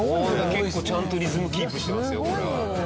結構ちゃんとリズムキープしてますよ裏。